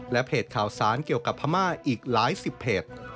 และเพจข่าวสารเกี่ยวกับพม่าอีกหลายสิบเพจ